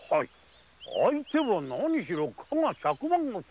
相手は何しろ加賀百万石。